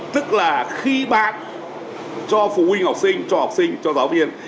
tức là khi bạn cho phụ huynh học sinh cho học sinh cho giáo viên